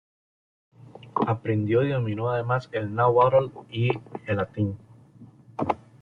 Aprendió y dominó además, el náhuatl y el latín.